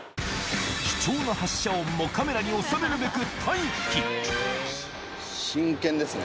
貴重な発車音もカメラに収め真剣ですね。